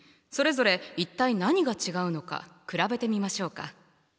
それぞれ一体何が違うのか比べてみましょうか。